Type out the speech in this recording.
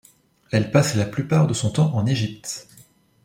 Elle passe la plupart de son temps en Egypte.